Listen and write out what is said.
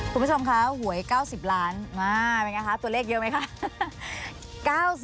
คุณผู้ชมค่ะหวย๙๐ล้านตัวเลขเยอะไหมคะ